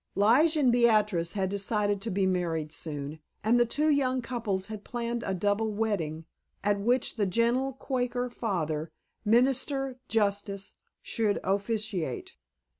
Lige and Beatrice had decided to be married soon, and the two young couples had planned a double wedding, at which the gentle Quaker father, minister, justice, should officiate.